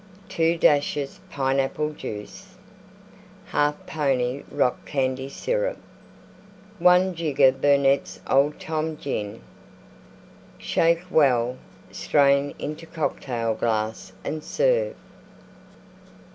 2 dashes Pineapple Juice. 1/2 pony Rock Candy Syrup. 1 jigger Burnette's Old Tom Gin. Shake well; strain into Cocktail glass and serve.